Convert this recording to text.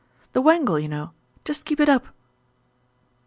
"The wangle, you know, just keep it up."